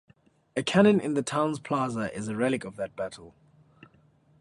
A cannon in the town's plaza is a relic of that battle.